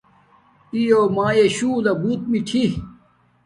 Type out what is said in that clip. پیلو مایے شولہ بوت میھٹی